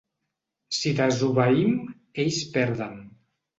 Si desobeïm, ells perden.